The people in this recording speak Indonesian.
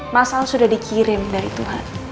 mas al sudah dikirim dari tuhan